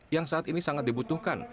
yang saat ini sangat dibutuhkan